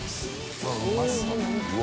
うわっうまそう。